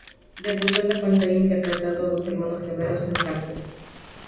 Debutó en la pantalla interpretando a dos hermanos gemelos en "Zapping".